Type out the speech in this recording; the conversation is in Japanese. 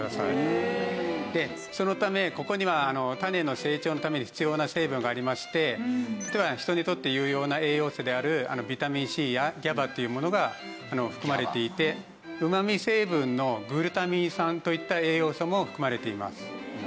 でそのためここには種の成長のために必要な成分がありまして例えば人にとって有用な栄養素であるビタミンＣやＧＡＢＡというものが含まれていてうまみ成分のグルタミン酸といった栄養素も含まれています。